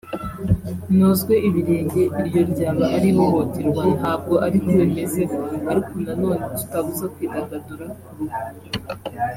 nozwe ibirenge iryo ryaba ari ihohoterwa ntabwo ariko bimeze ariko na none tutabuza kwidagadura ku rugo